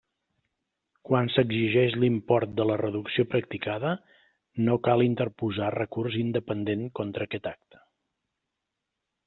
Quan s'exigeix l'import de la reducció practicada, no cal interposar recurs independent contra aquest acte.